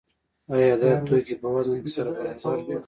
آیا دا توکي په وزن کې سره برابر دي؟